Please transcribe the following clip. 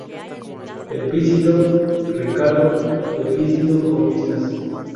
el pisito, Ricardo, el pisito con vistas.